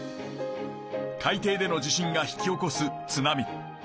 海底での地震が引き起こす津波。